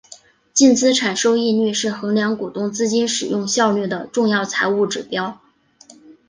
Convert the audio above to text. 净资产收益率是衡量股东资金使用效率的重要财务指标。